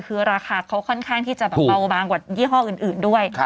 คือราคาเขาค่อนข้างที่จะแบบเบาบางกว่ายี่ห้ออื่นด้วย